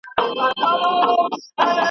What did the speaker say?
چي یې قربان کړل خپل اولادونه `